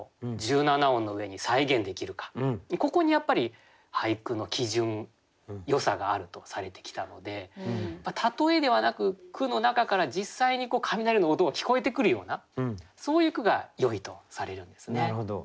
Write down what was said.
ここにやっぱり俳句の基準よさがあるとされてきたので例えではなく句の中から実際に雷の音が聞こえてくるようなそういう句がよいとされるんですね。